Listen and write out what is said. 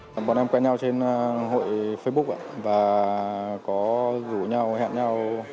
còn bọn em quen nhau trên hội facebook và có rủ nhau hẹn nhau